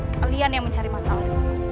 kalian yang mencari masalah